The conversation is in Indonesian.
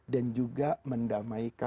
dan juga mendamaikan hati orang